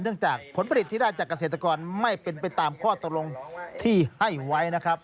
จากผลผลิตที่ได้จากเกษตรกรไม่เป็นไปตามข้อตกลงที่ให้ไว้นะครับ